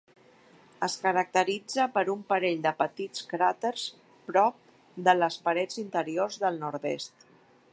Es caracteritza per un parell de petits cràters prop de les parets interiors del nord-oest.